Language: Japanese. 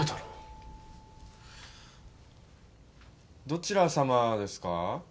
どちら様ですか？